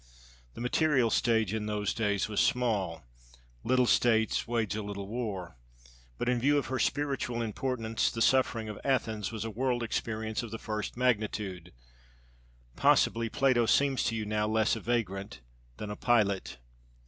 The material stage in those days was small, little states wage a little war, but in view of her spiritual importance the suffering of Athens was a world experience of the first magnitude. Possibly Plato seems to you now less a vagrant than a pilot.